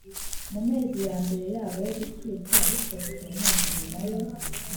mu mezi ya mbere yabo yo gutwita bishobotse mu mezi nyuma yo